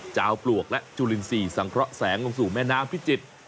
เจ้าปลวกและจุลินทรีย์สังเคราะห์แสงลงสู่แม่น้ำพิจิตร